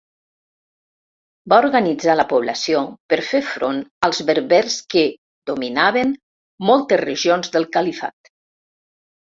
Va organitzar la població per fer front als berbers que dominaven moltes regions del califat.